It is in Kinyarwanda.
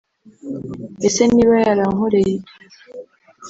Ese niba yarankoreye ibyo